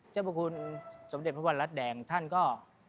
เจ้าพระคุณสมเด็จพระวันรัฐแดงท่านก็